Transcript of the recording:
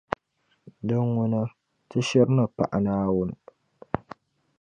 Din ŋuna, ti shiri ni paɣi Naawuni